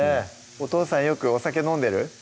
お父さんよくお酒飲んでる？